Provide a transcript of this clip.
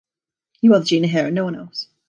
You are the Gina here, and no one else.